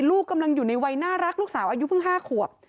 ลูกกำลังอยู่ในวัยน่ารักลูกสาวอายุเพิ่ง๕ขวบ